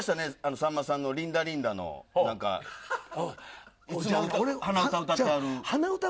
さんまさんのリンダリンダの鼻歌歌ってはる。